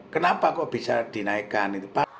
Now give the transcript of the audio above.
kenapa kok bisa dinaikkan